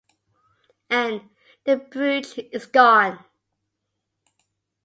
Anne, the brooch is gone.